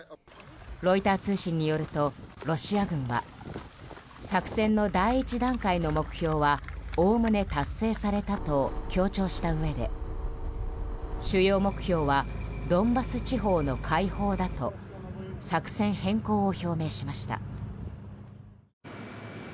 ロイター通信によるとロシア軍は作戦の第１段階の目標はおおむね達成されたと強調したうえで主要目標はドンバス地方の解放だと作戦変更を表明しました。